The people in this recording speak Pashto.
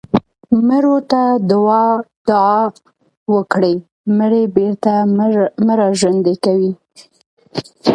مړو ته دعا وکړئ مړي بېرته مه راژوندي کوئ.